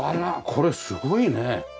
これすごいね。